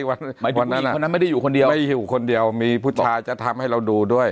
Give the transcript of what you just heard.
หมายถึงผู้หญิงคนนั้นไม่ได้อยู่คนเดียวไม่ได้อยู่คนเดียวมีผู้ชายจะทำให้เราดูด้วย